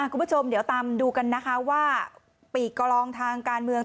คุณผู้ชมเดี๋ยวตามดูกันนะคะว่าปีกกลองทางการเมือง